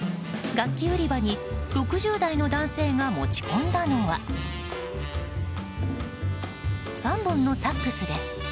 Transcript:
楽器売り場に６０代の男性が持ち込んだのは３本のサックスです。